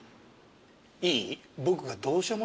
いい？